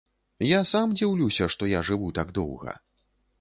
Я сам дзіўлюся, што я жыву так доўга.